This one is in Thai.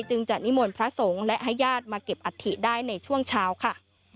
จึงจะนิมนต์พระสงฆ์และให้ญาติมาเก็บอัฐิได้ในช่วงเช้าค่ะ